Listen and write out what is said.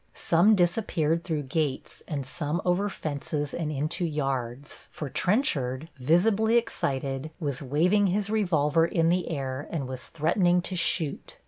Some disappeared through gates and some over fences and into yards, for Trenchard, visibly excited, was waving his revolver in the air and was threatening to shoot.